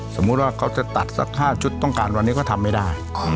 สมมุติว่าเขาจะตัดสัก๕ชุดต้องการวันนี้ก็ทำไม่ได้